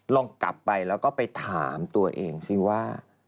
ลองกลับไปแล้วก็ไปถามตัวเองสิว่า